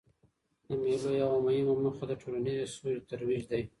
د مېلو یوه مهمه موخه د ټولنیزي سولې ترویج دئ.